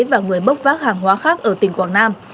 và người bốc vác hàng hóa khác ở tỉnh quảng nam